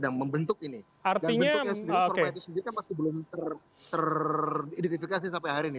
dan bentuknya sendiri format itu sendiri kan masih belum teridentifikasi sampai hari ini